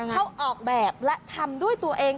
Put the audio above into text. เขาออกแบบและทำด้วยตัวเอง